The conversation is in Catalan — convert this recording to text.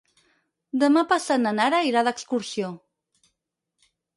Demà passat na Nara irà d'excursió.